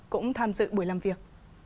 cũng tham dự buổi làm việc